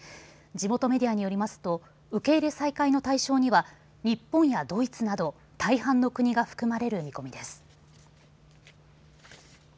地元メディアによりますと受け入れ再開の対象には日本やドイツなど大半の国が含まれる見込みです。